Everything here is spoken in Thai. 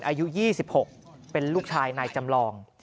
อายุ๒๖เป็นลูกชายนายจำลอง